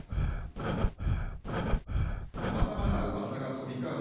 さまざまなうわさが飛び交う